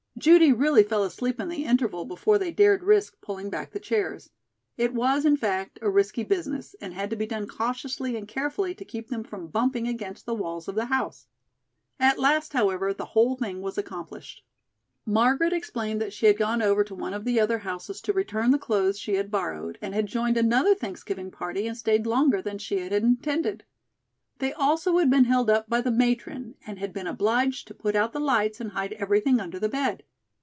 Judy really fell asleep in the interval before they dared risk pulling back the chairs. It was, in fact, a risky business, and had to be done cautiously and carefully to keep them from bumping against the walls of the house. At last, however, the whole thing was accomplished. Margaret explained that she had gone over to one of the other houses to return the clothes she had borrowed and had joined another Thanksgiving party and stayed longer than she had intended. They also had been held up by the matron, and had been obliged to put out the lights and hide everything under the bed.